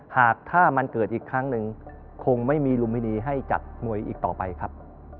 หากถ้ามันเกิดอีกครั้งหนึ่งคงไม่มีลุมมินีให้จัดมวยอีกต่อไปครับ